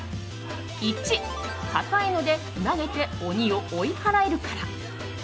１、硬いので投げて鬼を追い払えるから。